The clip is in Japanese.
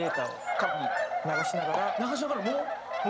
流しながらもう？